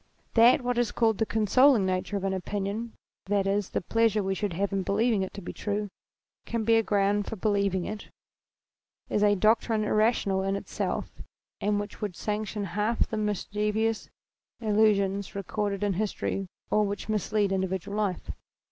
That what is called the consoling nature of an opinion, that is, the pleasure we should have in believing it to be true, can be a ground for believing it, is a doctrine irrational in itself and which would sanction half the mischievous illusions recorded in history or which mislead individual life.